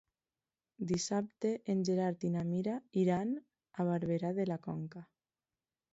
Dissabte en Gerard i na Mira iran a Barberà de la Conca.